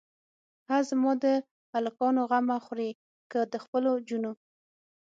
هه زما د الکانو غمه خورې که د خپلو جونو.